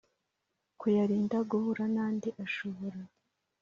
kuyarinda guhura n andi ashobora